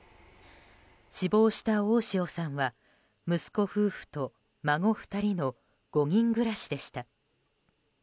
死亡した大塩さんは息子夫婦と孫２人の５人暮らしでした。